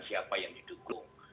siapa yang didukung